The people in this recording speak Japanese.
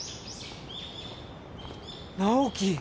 直木！